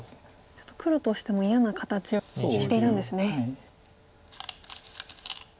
ちょっと黒としても嫌な形をしているんですね。